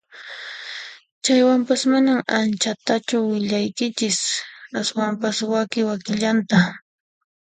Chaywanpas mana anchatachu willaykichis ashwampis waki wakillanta